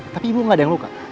tapi ibu gak ada yang luka